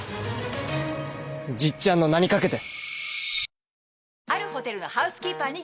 じっちゃんの名にかけて！